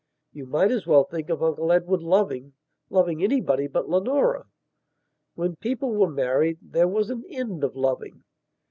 You might as well think of Uncle Edward loving... loving anybody but Leonora. When people were married there was an end of loving.